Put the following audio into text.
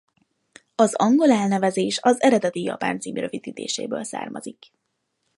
Az angol elnevezés az eredeti japán cím rövidítéséből származik.